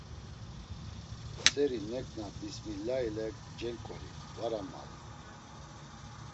Seri neǩna bismilaile cenǩoli, var ammalen.